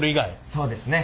そうですね。